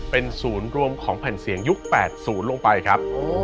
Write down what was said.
เป็นศูนย์รวมของแผ่นเสียงยุค๘๐ลงไปครับ